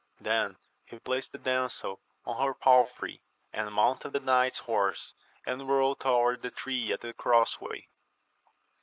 Then he placed the damsel on her palfrey, and mounted the knight's horse, and rode toward the tree at the cross way.